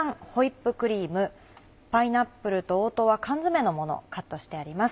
パイナップルと黄桃は缶詰のものをカットしてあります。